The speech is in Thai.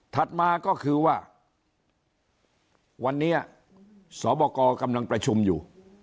มาก็คือว่าวันนี้สบกกำลังประชุมอยู่